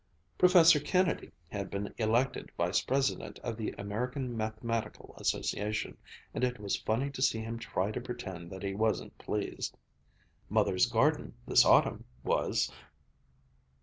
Professor Kennedy had been elected vice president of the American Mathematical Association, and it was funny to see him try to pretend that he wasn't pleased. Mother's garden this autumn was